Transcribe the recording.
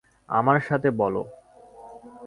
আমার সাথে বলো।